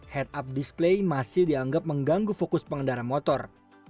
head up display masih dianggap mengganggu fokus pengendara motor